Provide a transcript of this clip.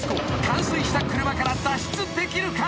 冠水した車から脱出できるか？］